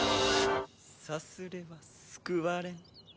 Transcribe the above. さすれば救われん。